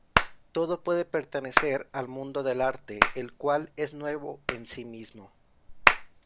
Todo puede pertenecer al mundo del arte, el cual es nuevo en sí mismo.